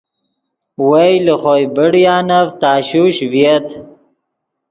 وئے لے خوئے بڑیانف تشوش ڤییت